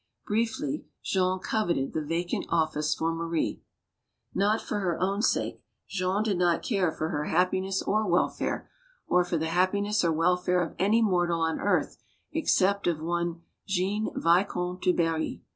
Briefly, Jean coveted the vacant office for Marie. MADAME DU BARRY 185 for her own sake. Jean did not care for her hap piness or welfare, or for the happiness or welfare of ar.y mortal on earth except of one Jean, Vicomte du B .rry.